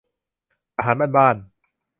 อาหารบ้านบ้าน